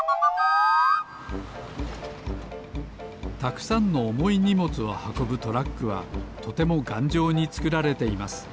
たくさんのおもいにもつをはこぶトラックはとてもがんじょうにつくられています。